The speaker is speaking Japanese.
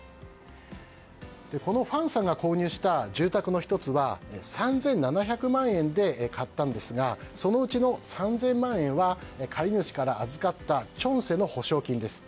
このファンさんが購入した住宅の１つは３７００万円で買ったんですがそのうちの３０００万円は借り主から預かったチョンセの保証金です。